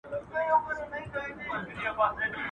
چيري چي زړه ځي، هلته پښې ځي.